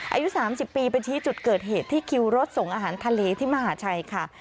อายุ๓๐ปีไปชี้จุดเกิดเหตุที่คิวรถส่งอาหารทะเลที่มหาชัยค่ะ